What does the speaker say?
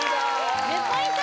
１０ポイント